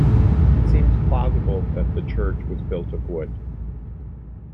It seems plausible that the church was built of wood.